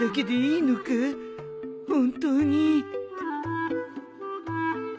本当に